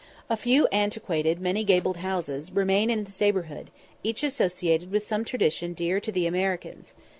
A few antiquated, many gabled houses, remain in its neighbourhood, each associated with some tradition dear to the Americans.